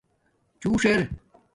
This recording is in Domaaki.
چھݸݽ ار